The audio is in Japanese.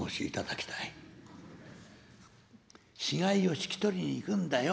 「死骸を引き取りに行くんだよ」。